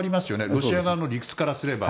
ロシア側の理屈からすれば。